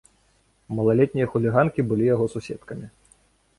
Малалетнія хуліганкі былі яго суседкамі.